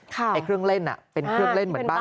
ไอ้เครื่องเล่นเป็นเครื่องเล่นเหมือนบ้าน